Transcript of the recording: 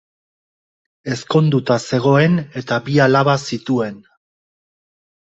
Ezkonduta zegoen eta bi alaba zituen.